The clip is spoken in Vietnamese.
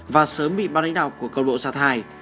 và sớm bị bắt đánh đọc của cơ bộ xa thải